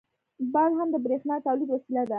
• باد هم د برېښنا د تولید وسیله ده.